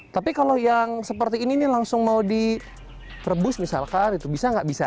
tapi kalau yang seperti ini nih langsung mau direbus misalkan itu bisa nggak bisa